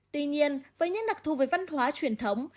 tuy nhiên với những đặc thù với văn hóa truyền thống